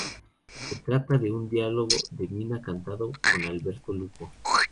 Se trata de un diálogo de Mina cantado con Alberto Lupo.